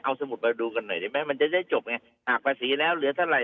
เอาสมุดมาดูกันหน่อยได้ไหมมันจะได้จบไงหากภาษีแล้วเหลือเท่าไห